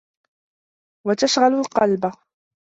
وَتَشْغَلُ الْقَلْبَ